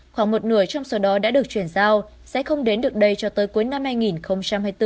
khoảng một nửa trong số đó đã được chuyển giao sẽ không đến được đây cho tới cuối năm hai nghìn hai mươi bốn